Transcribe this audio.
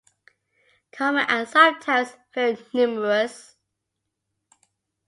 Common and sometimes very numerous.